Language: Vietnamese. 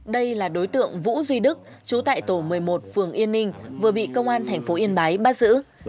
đây là đối tượng vũ duy đức chú tại tổ một mươi một phường yên ninh vừa bị công an tp yên bái bắt giữ